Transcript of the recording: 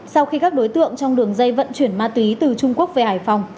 sau khi các đối tượng trong đường dây vận chuyển ma túy từ trung quốc về hải phòng